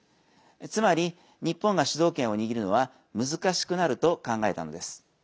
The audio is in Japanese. つまり、日本が主導権を握るのは難しくなると考えたのです。